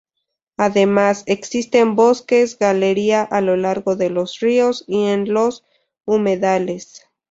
Además, existen bosques galería a lo largo de los ríos y en los humedales.